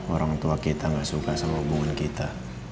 orang tua kita gak suka sama hubungan kita